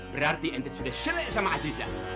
berarti anda sudah serik dengan aziza